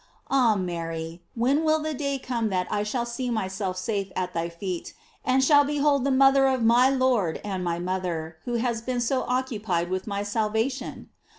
Ah Mary, when will the day come that I shall see myself eafe at thy feet, and shall behold the mother of my Lord and my mother, who has been so oc cupied with my salvation